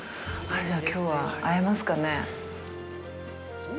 じゃあ、きょうは会えますかね。